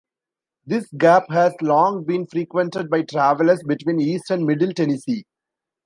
This gap has long been frequented by travelers between East and Middle Tennessee.